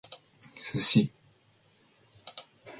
sushi